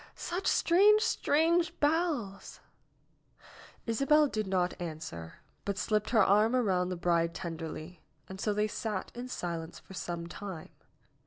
Such strange, strange bells !" Isabel did not answer, but slipped her arm around the bride tenderly, and so they sat in silence for some time.